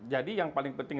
jadi yang paling penting